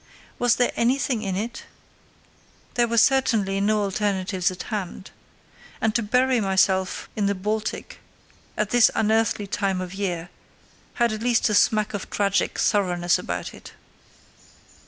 Was there anything in it? There were certainly no alternatives at hand. And to bury myself in the Baltic at this unearthly time of year had at least a smack of tragic thoroughness about it.